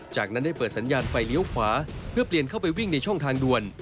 จากนั้นได้เปิดสัญญาณไฟเลี้ยวขวาเพื่อเปลี่ยนเข้าไปวิ่งในช่องทางด่วน